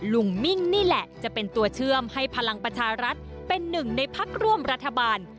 ลุงมิ่งนี่แหละจะเป็นตัวเชื่อมให้พลังประชารัฐเป็นหนึ่งในพักร่วมรัฐบาล